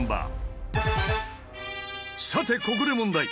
さてここで問題！